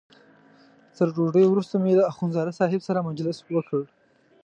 تر ډوډۍ وروسته مې له اخندزاده صاحب سره مجلس وکړ.